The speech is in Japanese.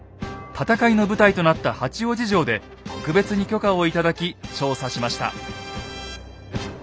戦いの舞台となった八王子城で特別に許可を頂き調査しました。